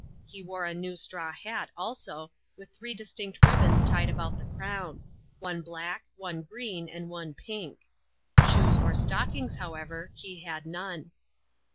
He wore a new straw hat, also, with three distinct ribbons tied about the crown ; one black, one green, and one pink. Shoes or stockings, however, he had none.